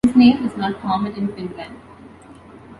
His name is not common in Finland.